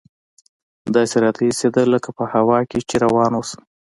داسې راته اېسېده لکه په هوا کښې چې روان اوسم.